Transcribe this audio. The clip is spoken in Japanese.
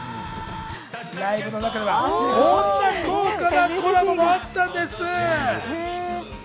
ライブの中ではこんな豪華なコラボもあったんです。